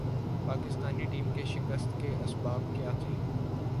Pakistani team کے شکست کے اسباب کیا تھے ۔